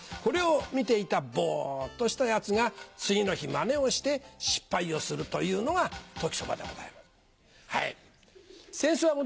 これを見ていたボっとしたヤツが次の日マネをして失敗をするというのが『時そば』でございます。